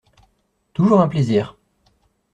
Toujours un plaisir